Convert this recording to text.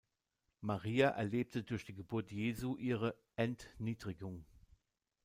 Maria erlebe durch die Geburt Jesu ihre „Ent-Niedrigung“.